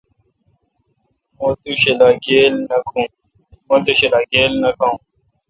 مہ تو ݭا گیل نہ کھاوین۔